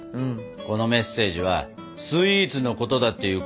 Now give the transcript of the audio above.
このメッセージはスイーツのことだっていうことはね。